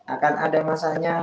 akan ada masanya